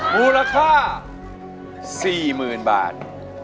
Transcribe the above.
ภูราค่า๔๐๐๐๐บาท